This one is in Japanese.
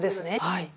はい。